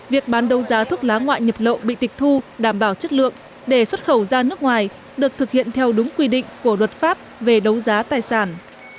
việc bán đấu giá thuốc lá ngoại nhập lậu bị tịch thu đảm bảo chất lượng để xuất khẩu ra nước ngoài được thực hiện theo đúng quy định của luật pháp về đấu giá tài sản